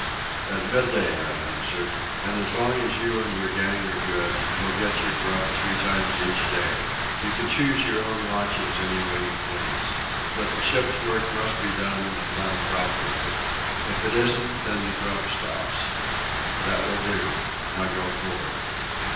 "At midday," I answered. "And as long as you and your gang are good, you'll get your grub three times each day. You can choose your own watches any way you please. But the ship's work must be done, and done properly. If it isn't, then the grub stops. That will do. Now go for'ard."